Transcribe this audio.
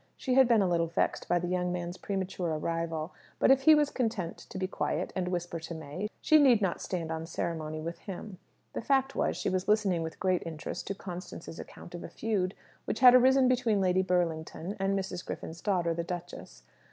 She had been a little vexed by the young man's premature arrival; but if he was content to be quiet, and whisper to May, she need not stand on ceremony with him. The fact was, she was listening with great interest to Constance's account of a feud which had arisen between Lady Burlington and Mrs. Griffin's daughter, the duchess.